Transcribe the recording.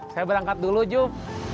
saya berangkat dulu juk